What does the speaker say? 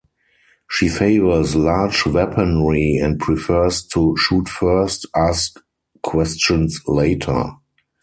She favors large weaponry and prefers to "shoot first, ask questions later".